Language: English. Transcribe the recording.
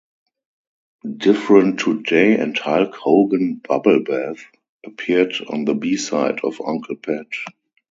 "Different Today" and "Hulk Hogan Bubblebath" appeared on the b-side of "Uncle Pat".